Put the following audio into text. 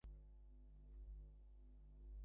তার সাথে কতোদিন কাটিয়েছো?